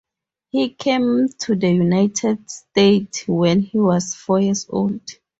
He came to the United States when he was four years old.